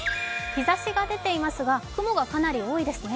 日ざしが出ていますが雲がかなり多いですね。